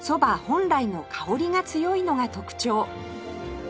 本来の香りが強いのが特徴